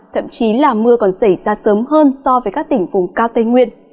thậm chí là mưa còn xảy ra sớm hơn so với các tỉnh vùng cao tây nguyên